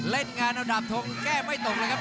เล่นงานเอาดาบทงแก้ไม่ตกเลยครับ